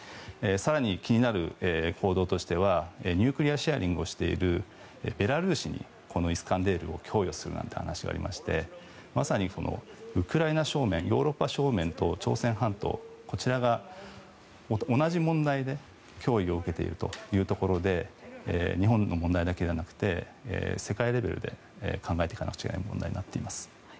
更に気になる報道としてはニュークリア・シェアリングをしているベラルーシにこのイスカンデルを供与するって話がありましてまさにウクライナ正面ヨーロッパ正面と朝鮮半島、こちらが同じ問題で脅威を受けているというところで日本の問題だけじゃなくて世界レベルで考えていかなくちゃいけない問題になっています。